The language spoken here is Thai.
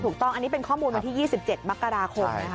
ถูกต้องอันนี้เป็นข้อมูลวันที่๒๗มกราคมนะคะ